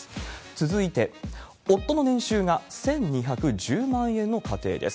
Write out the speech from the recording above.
続いて、夫の年収が１２１０万円の家庭です。